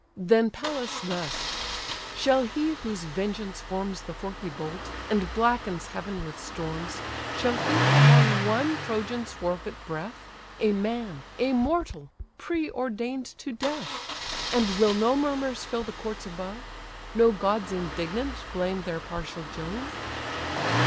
Then Pallas thus: "Shall he whose vengeance forms The forky bolt, and blackens heaven with storms, Shall he prolong one Trojan's forfeit breath? A man, a mortal, pre ordain'd to death! And will no murmurs fill the courts above? No gods indignant blame their partial Jove?"